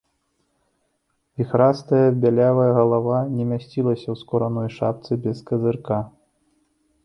Віхрастая бялявая галава не мясцілася ў скураной шапцы без казырка.